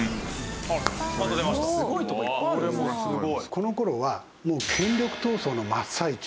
この頃はもう権力闘争の真っ最中。